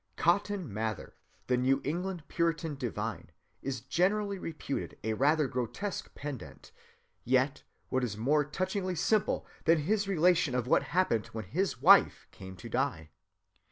Cotton Mather, the New England Puritan divine, is generally reputed a rather grotesque pedant; yet what is more touchingly simple than his relation of what happened when his wife came to die?